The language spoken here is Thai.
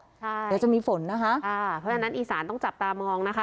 เดี๋ยวจะมีฝนนะคะเพราะฉะนั้นอีสานต้องจับตามองนะคะ